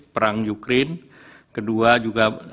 perang ukraine kedua juga